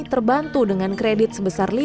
terbantu dengan kredit sebesar rp lima puluh juta